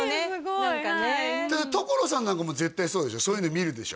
何かね所さんなんかも絶対そうでしょそういうの見るでしょ